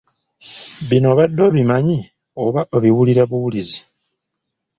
Bino obadde obimanyi oba obiwulira buwulizi?